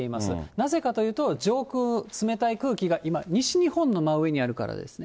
なぜかというと、上空、冷たい空気が今、西日本の真上にあるからですね。